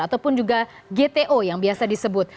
ataupun juga gto yang biasa disebut